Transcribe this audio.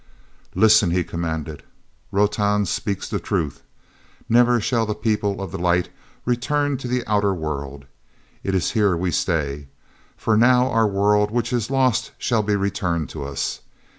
"Listen," he commanded. "Rotan speaks the truth. Never shall the People of the Light return to the outer world; it is here we stay. For now our world which is lost shall be returned to us."